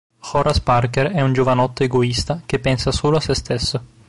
Horace Parker è un giovanotto egoista che pensa solo a sé stesso.